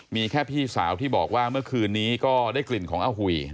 มีแค่พี่สาวที่บอกว่าเมื่อคืนนี้ก็ได้กลิ่นของอาหุย